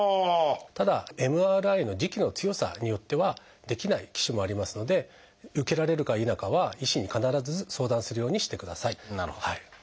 ただＭＲＩの磁気の強さによってはできない機種もありますので受けられるか否かは医師に必ず相談するようにしてください。